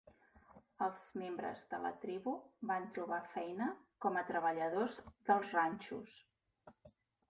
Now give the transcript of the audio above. Els membres de la tribu van trobar feina com a treballadors dels ranxos.